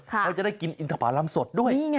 ก็จะได้กินอินทธาพารำสดด้วย